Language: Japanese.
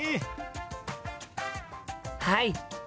はい！